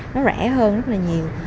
nó rẻ hơn rất là nhiều